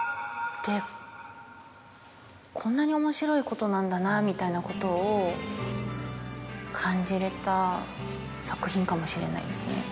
ことなんだなみたいなことを感じれた作品かもしれないですね。